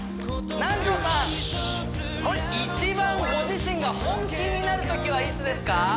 南條さん一番ご自身が本気になる時はいつですか？